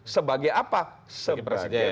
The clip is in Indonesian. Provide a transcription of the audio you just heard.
sebagai apa sebagai presiden